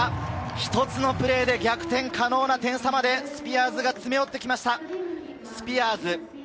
一つのプレーで逆転可能な点差まで、スピアーズが詰め寄ってきました。